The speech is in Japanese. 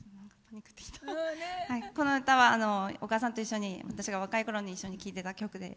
この歌は、お母さんと一緒に私が若いころに一緒に聴いてた曲で。